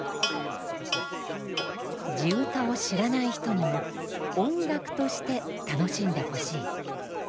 地唄を知らない人にも音楽として楽しんでほしい。